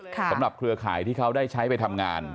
เครือข่ายที่เขาได้ใช้ไปทำงาน